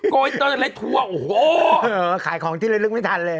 กล้าอินเตอร์ในไล่ทัวร์โหขายของที่เลยหลุ้งไม่ทันเลย